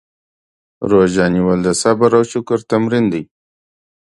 روژه نیول د صبر او شکر تمرین دی.